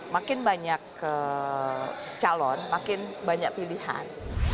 makin banyak calon makin banyak pilihan